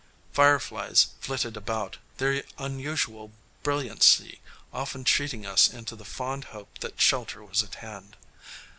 Fireflies flitted about, their unusual brilliancy often cheating us into the fond hope that shelter was at hand.